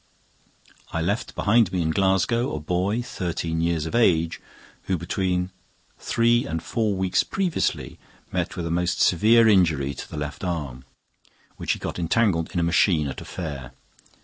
I left behind me in Glasgow a boy, thirteen years of age, who, between three and four weeks previously, met with a most severe injury to the left arm, which he got entangled in a machine at a fair.